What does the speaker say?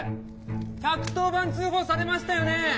１１０番通報されましたよね？